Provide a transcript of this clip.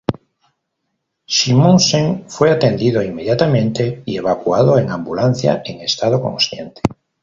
Simonsen fue atendido inmediatamente y evacuado en ambulancia en estado consciente.